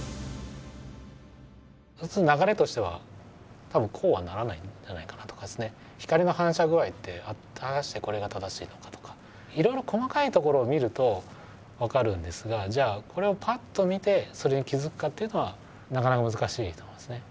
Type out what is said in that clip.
普通流れとしては多分こうはならないんじゃないかなとか光の反射具合って果たしてこれが正しいのかとかいろいろ細かいところを見ると分かるんですがじゃあこれをぱっと見てそれに気付くかっていうのはなかなか難しいと思うんですね。